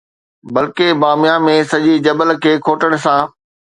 بلڪه باميان ۾، سڄي جبل کي کوٽڻ سان